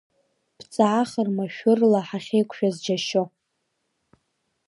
Бҵаахыр, машәыршәа ҳахьеиқәшәаз џьашьо.